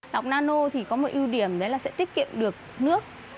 lọc nano thì có một ưu điểm đấy là sẽ tiết kiệm được nước